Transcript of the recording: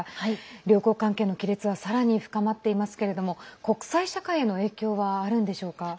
両国関係の亀裂はさらに深まっていますけれども国際社会への影響はあるのでしょうか。